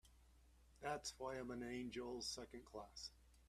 That's why I'm an angel Second Class.